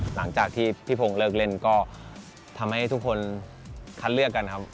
หลังจากที่พี่พงศ์เลิกเล่นก็ทำให้ทุกคนคัดเลือกกันครับ